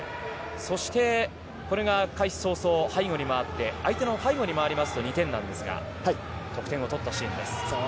そして、これが開始早々背後に回って相手の背後に回りますと２点なんですが得点を取ったシーンです。